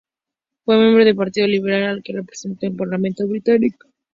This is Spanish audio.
Fue miembro del Partido Liberal, al que representó en el Parlamento británico.